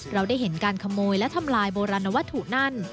เราได้เห็นการขโมยและทำลายโบราณวัตถุนั่น